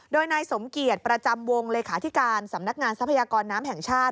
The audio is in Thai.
โดยนายสมเกียจประจำวงเลขาธิการสำนักงานทรัพยากรน้ำแห่งชาติ